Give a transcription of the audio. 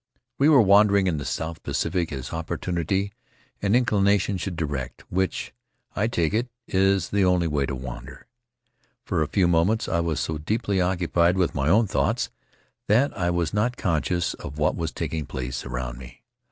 We were wandering in the South Pacific as opportunity and inclination should direct, which, I take it, is the only way to wander. For a few moments I was so deeply occupied with my own thoughts that I was not conscious of what was taking place around me.